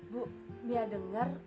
bu mia dengar